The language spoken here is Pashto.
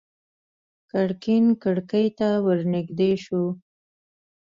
ګرګين کړکۍ ته ور نږدې شو.